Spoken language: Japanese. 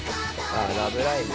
ああ『ラブライブ！』。